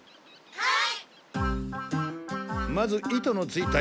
はい！